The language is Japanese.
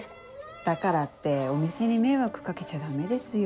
だからってお店に迷惑掛けちゃダメですよ。